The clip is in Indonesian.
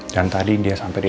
dan tadi dia sampai di sini